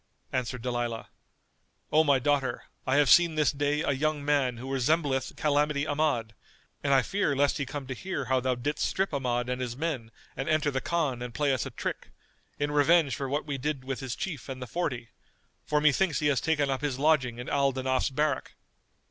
Answered Dalilah, "O my daughter, I have seen this day a young man who resembleth Calamity Ahmad, and I fear lest he come to hear how thou didst strip Ahmad and his men and enter the Khan and play us a trick, in revenge for what we did with his chief and the forty; for methinks he has taken up his lodging in Al Danaf's barrack."